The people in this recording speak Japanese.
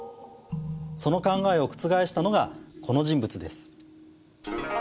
その考えを覆したのがこの人物です。